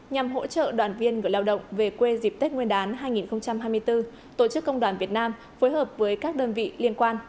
nhằm hỗ trợ đoàn viên người lao động về quê dịp tết nguyên đán hai nghìn hai mươi bốn tổ chức công đoàn việt nam phối hợp với các đơn vị liên quan